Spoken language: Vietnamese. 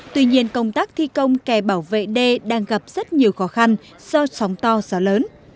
tuy nhiên công tác thi công kè bảo vệ đê đang gặp rất nhiều khó khăn do sóng to gió lớn